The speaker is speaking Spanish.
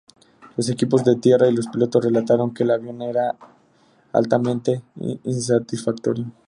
Los equipos de tierra y los pilotos relataron que el avión era altamente insatisfactorio.